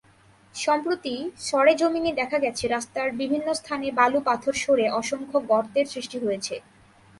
সম্প্রতি সরেজমিনে দেখা গেছে, রাস্তার বিভিন্ন স্থানে বালু-পাথর সরে অসংখ্য গর্তের সৃষ্টি হয়েছে।